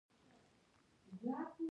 بد واکمن زموږ د چوپتیا محصول دی.